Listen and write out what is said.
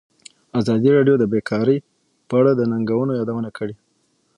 ازادي راډیو د بیکاري په اړه د ننګونو یادونه کړې.